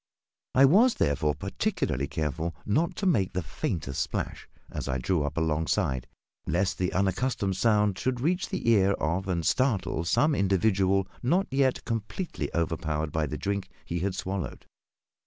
I was therefore particularly careful not to make the faintest splash, as I drew up alongside, lest the unaccustomed sound should reach the ear of and startle some individual not yet completely overpowered by the drink he had swallowed.